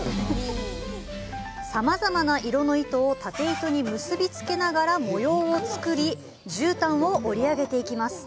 さまざまな色の糸を縦糸に結びつけながら模様を作り、絨毯を織り上げていきます。